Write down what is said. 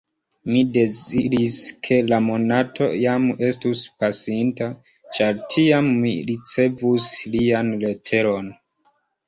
Mi deziris, ke la monato jam estus pasinta, ĉar tiam mi ricevus lian leteron.